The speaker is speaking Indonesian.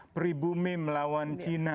peribumi melawan cina